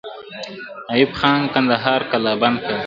ایوب خان کندهار کلابند کړ.